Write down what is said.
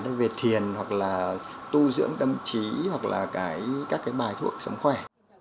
nó về thiền hoặc là tu dưỡng tâm trí hoặc là các cái bài thuộc sống khỏe